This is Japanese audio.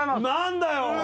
何だよ！